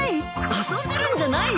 遊んでるんじゃないよ。